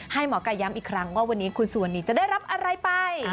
หมอกายย้ำอีกครั้งว่าวันนี้คุณสุวรรณีจะได้รับอะไรไป